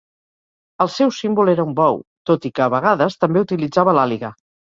El seu símbol era un bou, tot i que a vegades també utilitzava l'àliga.